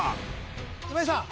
今井さん